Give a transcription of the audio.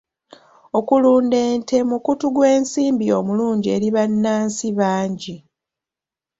Okulunda ente mukutu gw'ensimbi omulungi eri bannansi bangi.